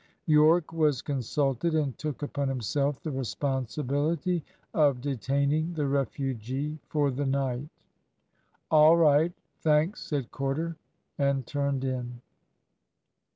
Yorke was consulted, and took upon himself the responsibility of detaining the refugee for the night. "All right, thanks," said Corder, and turned in.